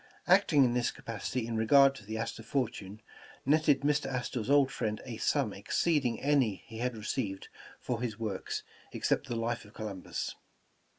Acting in this capacity in regard to the Astor 290 Writing Astoria fortune, netted Mr. Astor's old friend a sum exceeding any he had received for his works, except the ''Life of Columbus.